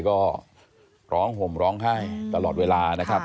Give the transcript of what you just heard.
ก็ร้องห่มร้องไห้ตลอดเวลานะครับ